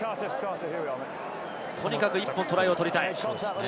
とにかく１本トライを取りたい。